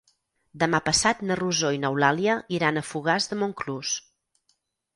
Demà passat na Rosó i n'Eulàlia iran a Fogars de Montclús.